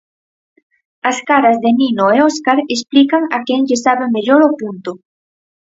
As caras de Nino e Óscar explican a quen lle sabe mellor o punto.